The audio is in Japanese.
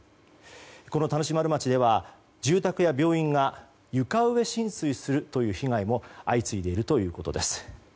この田主丸町では住宅や病院が床上浸水するという被害も相次いでいるということです。